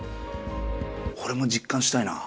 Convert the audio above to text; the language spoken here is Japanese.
俺も実感したいな。